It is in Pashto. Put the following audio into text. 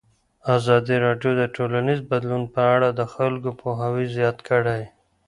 ازادي راډیو د ټولنیز بدلون په اړه د خلکو پوهاوی زیات کړی.